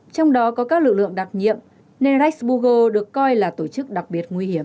trong đó có các lực lượng đặc nhiệm nên reichsburgo được coi là tổ chức đặc biệt nguy hiểm